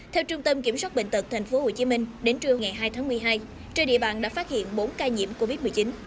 theo trung tâm kiểm soát bệnh tật tp hcm đến trưa ngày hai tháng một mươi hai trên địa bàn đã phát hiện bốn ca nhiễm covid một mươi chín